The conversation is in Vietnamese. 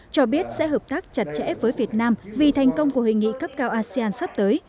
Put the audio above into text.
cho biết sẽ hợp tác chặt chẽ với việt nam vì thành công của hình nghị cấp cao asean sắp tới